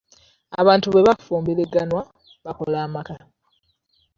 Abantu bwe bafumbiriganwa, bakola amaka